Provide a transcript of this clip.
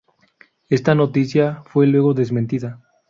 Esta noticia fue luego desmentida.